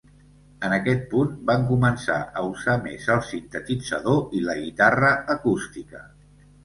En aquest punt, van començar a usar més el sintetitzador i la guitarra acústica.